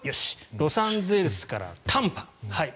ロサンゼルスからタンパ。